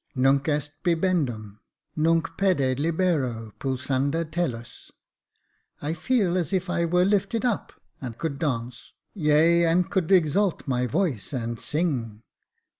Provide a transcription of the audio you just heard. *'' Nunc est hihendum, nunc fede libera pulsanda tellus^ I feel as if I were lifted up, and could dance, yea, and could exalt my voice, and sing."